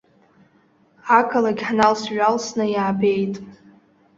Ақалақь ҳналс-ҩалсны иаабеит.